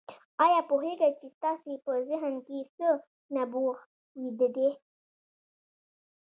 آيا پوهېږئ چې ستاسې په ذهن کې څه نبوغ ويده دی؟